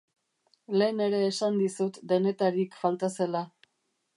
Lehen ere esan dizut denetarik falta zela.